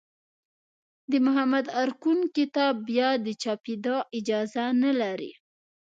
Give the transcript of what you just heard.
د محمد ارکون کتاب بیا چاپېدا اجازه نه لري.